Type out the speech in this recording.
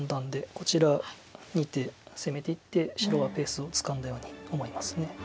こちら２手攻めていって白はペースをつかんだように思います。